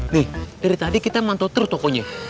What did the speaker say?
nih dari tadi kita mantu terus tokonya